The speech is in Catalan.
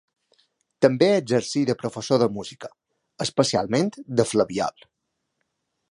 També exercí de professor de música, especialment de flabiol.